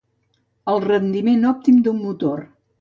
El rendiment òptim d'un motor.